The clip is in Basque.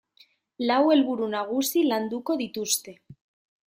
Lau helburu nagusi landuko dituzte.